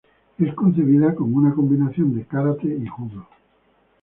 Es concebida como una combinación de kárate y judo.